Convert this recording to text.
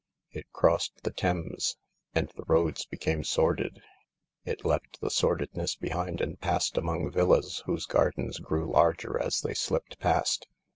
It crossed the Thames, and the roads became sordid. It left the sordidness behind and passed among villas whose gardens grew larger as they slipped past.